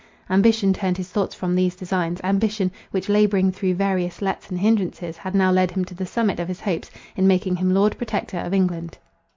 Ambition turned his thoughts from these designs—ambition, which labouring through various lets and hindrances, had now led him to the summit of his hopes, in making him Lord Protector of England.